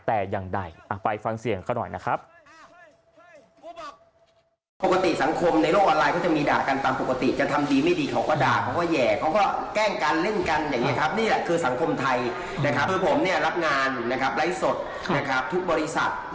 แต่อย่างใดไปฟังเสียงเขาหน่อยนะครับ